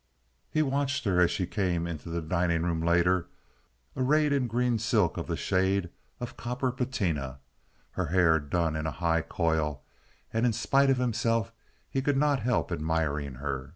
He watched her as she came into the dining room later, arrayed in green silk of the shade of copper patina, her hair done in a high coil—and in spite of himself he could not help admiring her.